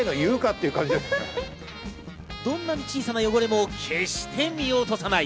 どんなに小さな汚れも決して見落とさない。